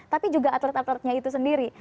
tapi juga atlet atletnya itu sendiri